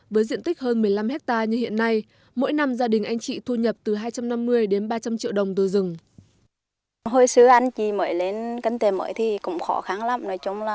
với diện tích hơn một mươi năm hectare như hiện nay mỗi năm gia đình anh chị thu nhập từ hai trăm năm mươi đến ba trăm linh triệu đồng từ rừng